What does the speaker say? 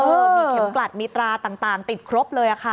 มีเข็มกลัดมีตราต่างติดครบเลยค่ะ